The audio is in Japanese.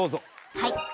はい。